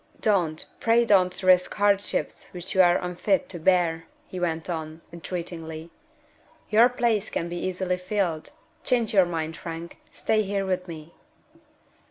"Don't, pray don't, risk hardships which you are unfit to bear!" he went on, entreatingly. "Your place can be easily filled. Change your mind, Frank. Stay here with me."